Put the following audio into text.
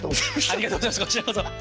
ありがとうございましたこちらこそ。